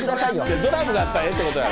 ドラムだったらええってことやろ？